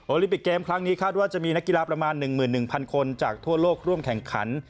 ลิปิกเกมครั้งนี้คาดว่าจะมีนักกีฬาประมาณ๑๑๐๐คนจากทั่วโลกร่วมแข่งขัน